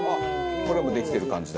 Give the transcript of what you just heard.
これもうできてる感じだ。